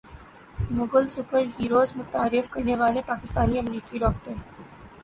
Mughal superheroes متعارف کرانے والے پاکستانی امریکی ڈاکٹر